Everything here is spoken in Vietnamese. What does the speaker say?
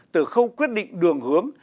sân khấu quyết định đường hướng